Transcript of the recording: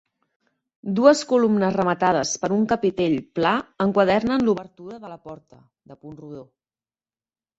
Dues columnes rematades per un capitell pla enquadren l'obertura de la porta, de punt rodó.